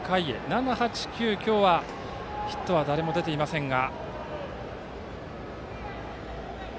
７、８、９と今日はヒットは誰も出ていませんが。